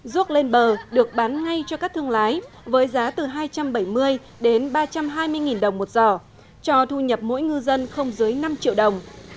ruốc lên bờ được bán ngay cho các thương lái với giá từ hai trăm bảy mươi đến ba trăm hai mươi đồng một giỏ cho thu nhập mỗi ngư dân không dưới năm triệu đồng